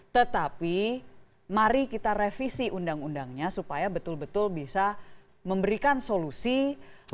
tetapi mari kita revisi undang undangnya supaya betul betul bisa memberikan solusi